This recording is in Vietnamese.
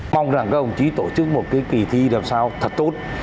mong rằng các ông chí tổ chức một cái kỳ thi làm sao thật tốt